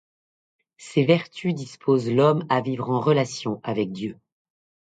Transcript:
Ces vertus disposent l'homme à vivre en relation avec Dieu.